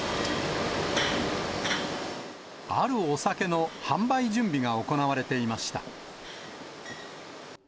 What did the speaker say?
あるお酒の販売準備が行われていました。